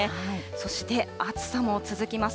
そして暑さも続きます。